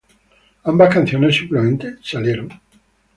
Ambas canciones simplemente salieron.